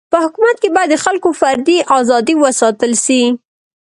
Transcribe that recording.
په حکومت کي باید د خلکو فردي ازادي و ساتل سي.